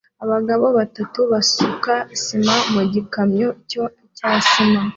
Abagabo batatu basuka sima mu gikamyo cya sima